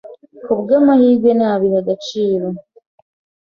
ku bw’amahirwe ntabihe agaciro